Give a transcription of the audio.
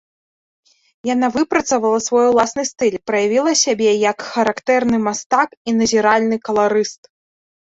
Яна выпрацавала свой уласны стыль, праявіла сябе як характэрны мастак і назіральны каларыст.